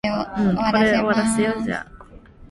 你有冇紙巾呀